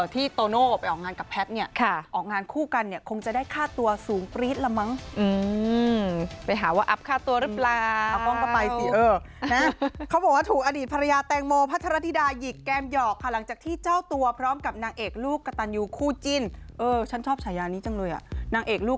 ที่โตโน่ไปออกงานกับแพทย์เนี่ยออกงานคู่กันเนี่ยคงจะได้ฆ่าตัวสูงปรี๊ดละมั้ง